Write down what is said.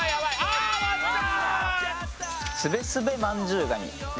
あ終わった！